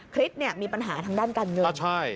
คลิปมีปัญหาทางด้านการเงิน